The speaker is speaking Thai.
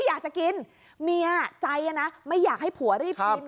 อยากจะกินเมียใจนะไม่อยากให้ผัวรีบกิน